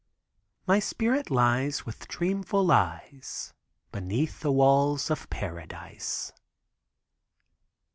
My spirit lies, with dreamful eyes, Beneath the walls of Paradise.